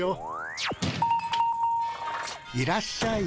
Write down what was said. ・いらっしゃい。